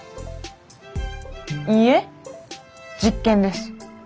いいえ実験です。